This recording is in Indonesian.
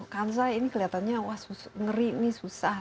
kansa ini kelihatannya wah ngeri ini susah